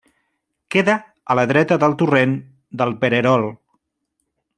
Queda a la dreta del torrent del Pererol.